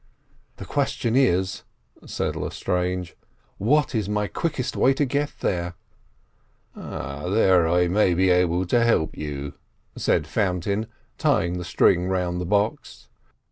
"The question is," said Lestrange, "what is my quickest way to get there?" "There I may be able to help you," said Fountain, tying the string round the box.